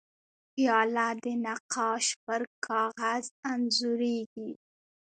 پیاله د نقاش پر کاغذ انځورېږي.